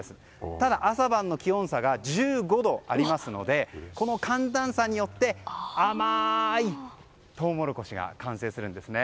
ただ、朝晩の気温差が１５度ありますのでこの寒暖差によって甘いトウモロコシが完成するんですね。